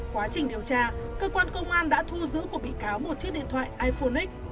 quá trình điều tra cơ quan công an đã thu giữ của bị cáo một chiếc điện thoại iphonic